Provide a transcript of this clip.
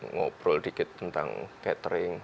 ngobrol dikit tentang catering